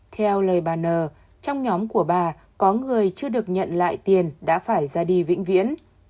theo lời bà n trong nhóm của bà có người chưa được nhận lại tiền đã phải ra đi vĩnh viễn